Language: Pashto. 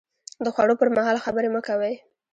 د خوړو پر مهال خبرې مه کوئ